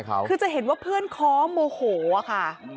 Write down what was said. คือจะเห็นว่าเพื่อนเนคอร์โมโหอะค่ะ